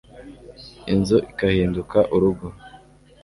inzu ikahinduka urugo